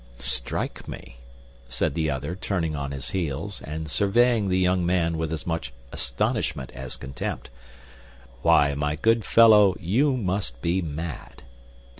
"Strike me!" said the other, turning on his heels, and surveying the young man with as much astonishment as contempt. "Why, my good fellow, you must be mad!"